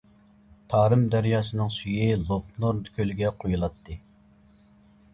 تارىم دەرياسىنىڭ سۈيى لوپنۇر كۆلىگە قۇيۇلاتتى.